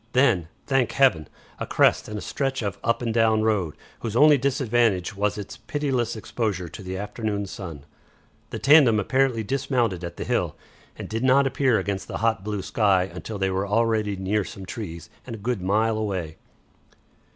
Then, thank Heaven! a crest and a stretch of up and down road, whose only disadvantage was its pitiless exposure to the afternoon sun. The tandem apparently dismounted at the hill, and did not appear against the hot blue sky until they were already near some trees and a good mile away.